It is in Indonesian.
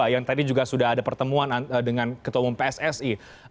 yang tadi juga sudah ada pertemuan dengan ketua umum pssi